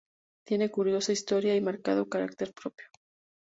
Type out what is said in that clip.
Tiene curiosa historia y marcado carácter propio.